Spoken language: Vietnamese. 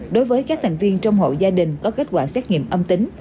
đối với các thành viên trong hội gia đình có kết quả xét nghiệm âm tính